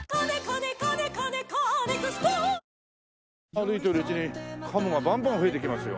歩いてるうちにカモがバンバン増えてきますよ。